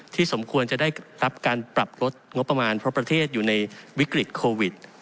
สมควรจะได้รับการปรับลดงบประมาณเพราะประเทศอยู่ในวิกฤตโควิด